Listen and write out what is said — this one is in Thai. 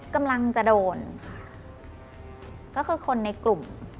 กำลังจะโดนค่ะก็คือคนในกลุ่ม